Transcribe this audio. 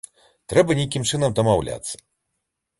Трэба нейкім чынам дамаўляцца.